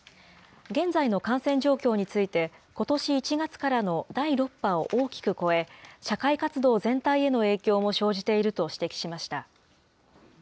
現在の感染状況について、ことし１月からの第６波を大きく超え、社会活動全体への影響も生じていると指摘しました。